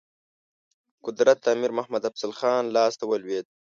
قدرت د امیر محمد افضل خان لاسته ولوېد.